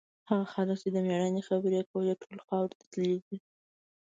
هغه خلک چې د مېړانې خبرې یې کولې، ټول خاورو ته تللي دي.